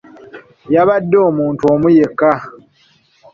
Yabadde omuntu omu yekka.